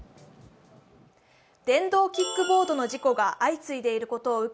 電動キックボードの事故が相次いでいることを受け